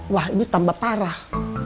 wah ini tambah parah